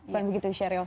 bukan begitu sheryl